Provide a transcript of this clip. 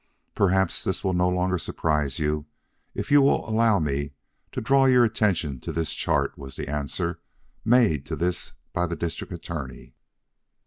"Perhaps this will no longer surprise you, if you will allow me to draw your attention to this chart," was the answer made to this by the District Attorney.